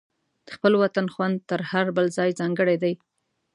د خپل وطن خوند تر هر بل ځای ځانګړی دی.